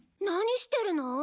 何してるの？